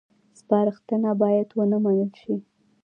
سپارښتنه باید ونه منل شي